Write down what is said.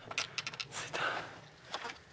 着いた。